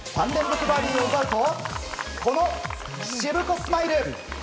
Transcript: ３連続バーディーを奪うとこの、しぶこスマイル。